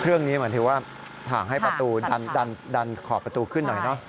เครื่องนี้เหมือนถือว่าถ่างให้ประตูดันขอบประตูขึ้นหน่อยเนอะ